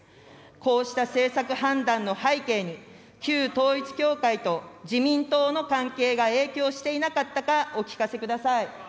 こうした政策判断の背景に、旧統一教会と自民党の関係が影響していなかったかお聞かせください。